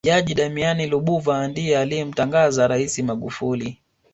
jaji damian lubuva ndiye aliyemtangaza raisi magufuli